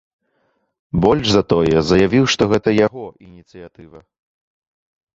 Больш за тое, заявіў, што гэта яго ініцыятыва.